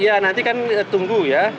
iya nanti kan tunggu ya